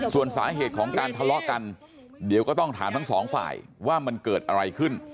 ส่วนสาเหตุของการทะเลาะกันเดี๋ยวก็ต้องถามทั้งสองฝ่ายว่ามันเกิดอะไรขึ้น